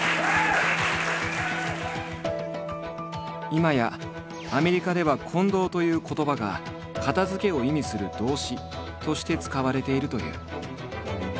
今やアメリカでは「コンドー」という言葉が「片づけ」を意味する動詞として使われているという。